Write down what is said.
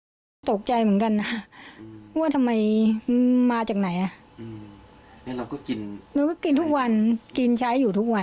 น้ำตรงนี้มันคือสาเหตุที่ทำให้สามีเธอเสียชีวิตรึเปล่า